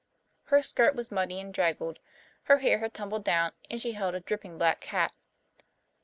Her skirt was muddy and draggled, her hair had tumbled down, and she held a dripping black cat.